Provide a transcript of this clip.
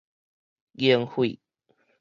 凝血